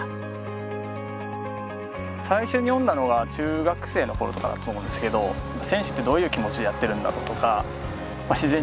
最初に読んだのが中学生の頃とかだと思うんですけど「選手ってどういう気持ちでやってるんだろう？」とかまあ自然に。